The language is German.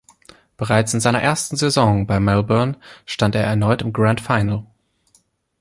Bereits in seiner ersten Saison bei Melbourne stand er erneut im Grand Final.